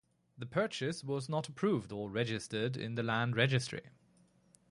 The purchase was not approved or registered in the land registry.